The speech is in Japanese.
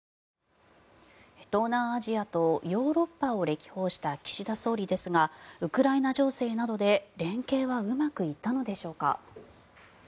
東南アジアとヨーロッパを歴訪した岸田総理ですがウクライナ情勢などで連携はうまくいったのでしょうか。